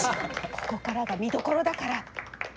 ここからが見どころだから！